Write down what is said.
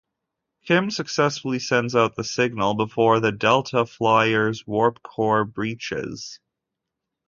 Kim successfully sends out the signal before the "Delta Flyer"'s warp core breaches.